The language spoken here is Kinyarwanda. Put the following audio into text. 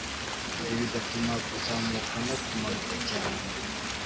ibyo bigatuma kuzamuka no kumanuka cyane